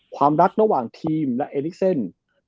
ความรักต่อผ่านกับทีมและเอริคเซ่น